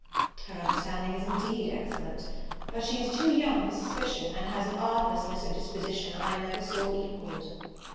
"Her understanding is indeed excellent; but she is too young for suspicion, and has an artlessness of disposition I never saw equalled."